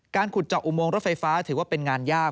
ขุดเจาะอุโมงรถไฟฟ้าถือว่าเป็นงานยาก